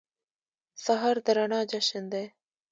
سهار د رڼا جشن دی.